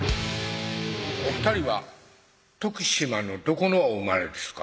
お２人は徳島のどこのお生まれですか？